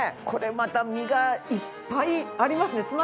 これまた身がいっぱいありますね。